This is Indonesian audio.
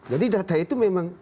jadi data itu memang